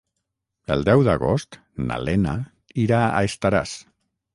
El deu d'agost na Lena irà a Estaràs.